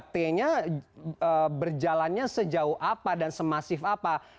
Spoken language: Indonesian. tiga t nya berjalannya sejauh apa dan semasif apa